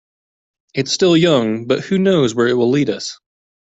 It's still young, but who knows where it will lead us.